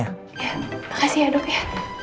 ya makasih ya dok ya